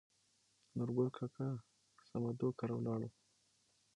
نورګل کاکا سمدو کره ولاړو.